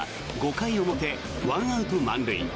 ５回表１アウト満塁。